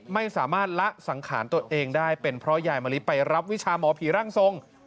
ไม่สามารถละสังขารตัวเองได้เป็นเพราะยายมะลิไปรับวิชาหมอผีร่างทรง